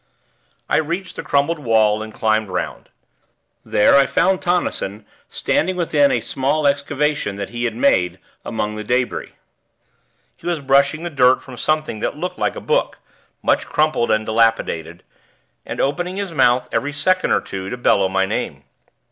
I reached the crumbled wall and climbed 'round. There I found Tonnison standing within a small excavation that he had made among the débris: he was brushing the dirt from something that looked like a book, much crumpled and dilapidated; and opening his mouth, every second or two, to bellow my name.